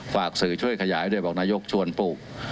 ฝากสื่อช่วยขยายด้วยบอกนายกชวนปลูก